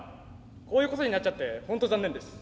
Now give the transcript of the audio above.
こういうことになっちゃって本当残念です。